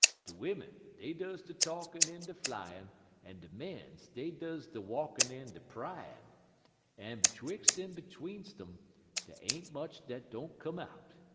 De wimmen, dey does de talkin' en de flyin', en de mens, dey does de walkin' en de pryin', en betwixt en betweenst um, dey ain't much dat don't come out.